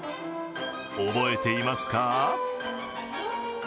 覚えていますか？